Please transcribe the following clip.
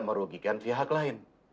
merugikan pihak lain